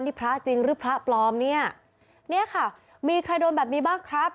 นี่พระจริงหรือพระปลอมเนี่ยเนี่ยค่ะมีใครโดนแบบนี้บ้างครับ